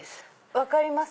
分かります？